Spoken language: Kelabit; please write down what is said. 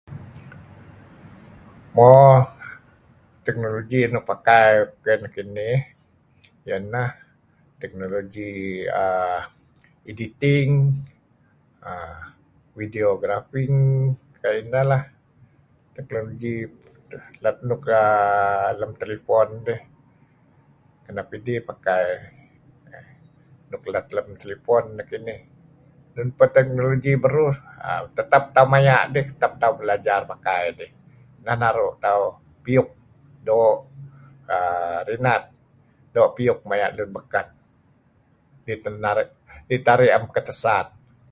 Mo technology nuk pakai kai ukeh neh kinih iyeh neh technology err editing, videografing kayu' ineh lah technology luk lem let err lem telefon dih kenep idih pakai nuk let lem telefon nekinih. Nun peh technology beruh err tetap tauh maya' dih, tetap tauh belajar pakai dih. Neh naru' tauh piyuk doo' err rinat doo' piyuk maya' lun beken idih teh arih 'am ketesan